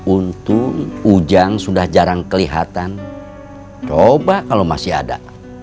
untung ujang sudah jarang kelihatan coba kalau masih ada